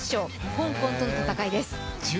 香港との戦いです。